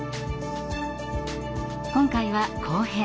今回は後編。